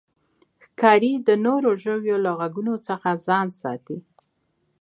ښکاري د نورو ژویو له غږونو ځان ساتي.